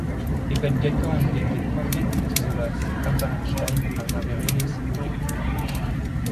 E penn kentañ an ugenvet kantved e tizoloas Albert Einstein ar geñverelezh hollek.